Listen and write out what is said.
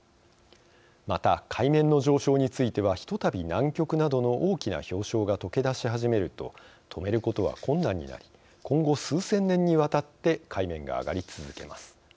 また、海面の上昇についてはひとたび南極などの大きな氷床がとけ出し始めると止めることは困難になり今後数千年にわたって海面が上がり続けます。